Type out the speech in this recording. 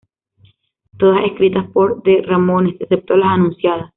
Todas escritas por The Ramones excepto la anunciadas.